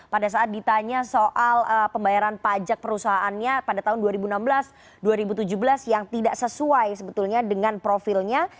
pada saat ditanya soal pembayaran pajak perusahaannya pada tahun dua ribu enam belas dua ribu tujuh belas yang tidak sesuai sebetulnya dengan profilnya